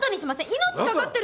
命懸かってる。